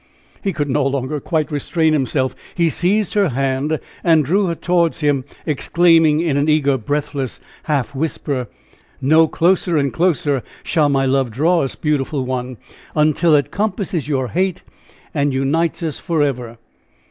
He could no longer quite restrain himself. He seized her hand and drew her towards him, exclaiming in an eager, breathless, half whisper: "No! closer and closer shall my love draw us, beautiful one! until it compasses your hate and unites us forever!"